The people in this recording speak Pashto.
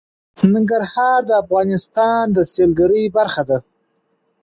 ننګرهار د افغانستان د سیلګرۍ برخه ده.